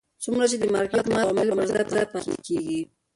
څومره چې د مارکېټ ماتې عوامل پر ځای پاتې کېږي.